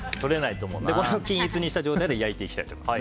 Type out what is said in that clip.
均一にした状態で焼いていきたいと思います。